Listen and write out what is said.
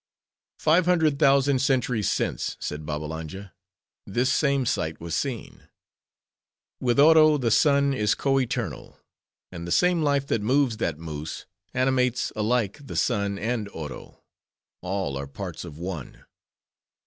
"Five hundred thousand centuries since," said Babbalanja, "this same sight was seen. With Oro, the sun is co eternal; and the same life that moves that moose, animates alike the sun and Oro. All are parts of One.